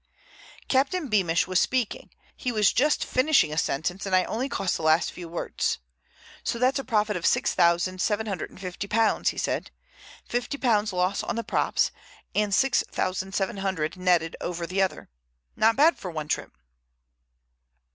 "Captain Beamish was speaking. He was just finishing a sentence and I only caught the last few words. 'So that's a profit of six thousand, seven hundred and fifty pounds,' he said; 'fifty pounds loss on the props, and six thousand seven hundred netted over the other. Not bad for one trip!